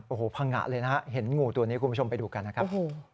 โอ้โหพังงะเลยนะฮะเห็นงูตัวนี้คุณผู้ชมไปดูกันนะครับ